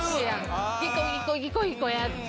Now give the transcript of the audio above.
ギコギコギコギコやって。